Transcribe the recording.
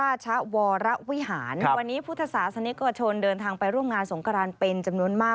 ชวรวิหารวันนี้พุทธศาสนิกชนเดินทางไปร่วมงานสงครานเป็นจำนวนมาก